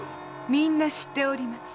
みんな知っております。